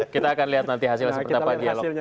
kita akan lihat nanti hasilnya